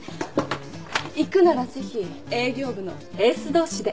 行くならぜひ営業部のエース同士で